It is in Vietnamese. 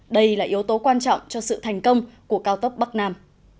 đây là yếu tố quan trọng cho sự thành công của cao tốc bắc nam